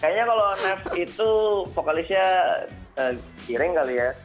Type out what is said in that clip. kayaknya kalau nes itu vokalisnya giring kali ya